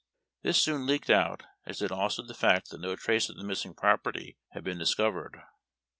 This soon leaked out, as did also the fact that no trace of the missiug property had been dis covered.